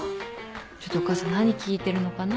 ちょっとお母さん何聞いてるのかな？